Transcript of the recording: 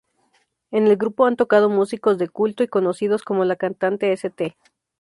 En el grupo han tocado músicos de culto y conocidos como la cantante St.